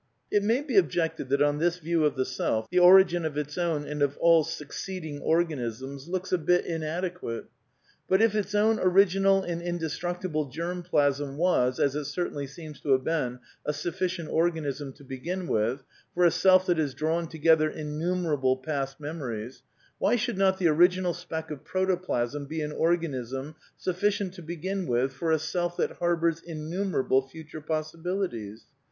It may be objected that on this view of the self the origin of its own and of all succeeding organisms looks a bit inadequate. But if its own original and indestructible germ plasm was, as it certainly seems to have been, a suf ficient organism, to begin with, for a self that has drawn together innumerable past memories, why shotdd not the original speck of protoplasm be an organism sufficient to begin with for a self that harbours innumerable future possibilities